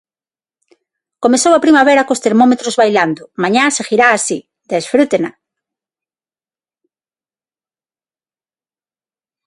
Comezou a primavera cos termómetros bailando, mañá seguirá así, desfrútena.